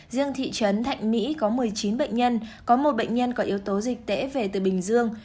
riêng thị trấn thạnh mỹ có một mươi chín bệnh nhân có một bệnh nhân có yếu tố dịch tễ về từ bình dương